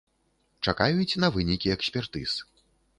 Чакаюць на вынікі экспертыз.